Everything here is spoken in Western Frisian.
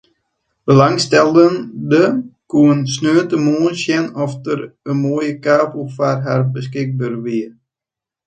Belangstellenden koene sneontemoarn sjen oft der in moaie kavel foar har beskikber wie.